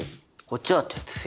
こっちは鉄製。